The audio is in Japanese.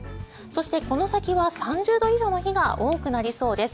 そして、この先は３０度以上の日が多くなりそうです。